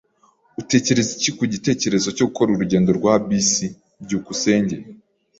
Utekereza iki ku gitekerezo cyo gukora urugendo rwa bisi? byukusenge